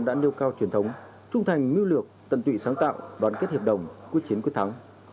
đã nêu cao truyền thống trung thành mưu lược tận tụy sáng tạo đoàn kết hiệp đồng quyết chiến quyết thắng